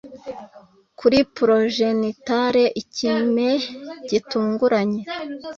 kuri progenital ikime-gitunguranye